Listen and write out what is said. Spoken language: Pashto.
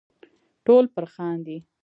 ټول پر خاندي .